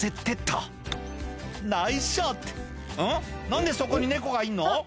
何でそこに猫がいるの？」